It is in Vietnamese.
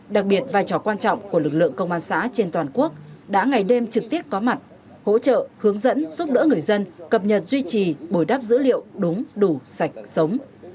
đặc biệt vai trò quan trọng của lực lượng công an xã trên toàn quốc đã ngày đêm trực tiếp có mặt hỗ trợ hướng dẫn giúp đỡ người dân cập nhật duy trì bồi đáp dữ liệu đúng đủ sạch sống